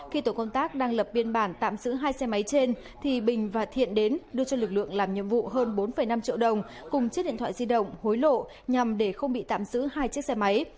khi tổ công tác đang lập biên bản tạm giữ hai xe máy trên thì bình và thiện đến đưa cho lực lượng làm nhiệm vụ hơn bốn năm triệu đồng cùng chiếc điện thoại di động hối lộ nhằm để không bị tạm giữ hai chiếc xe máy